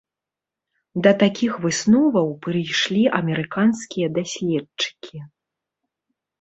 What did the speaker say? Да такіх высноваў прыйшлі амерыканскія даследчыкі.